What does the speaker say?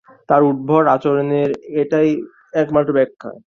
তার উদ্ভট আচরনের এটাই একমাত্র ব্যাখ্যা।